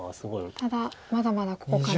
ただまだまだここから。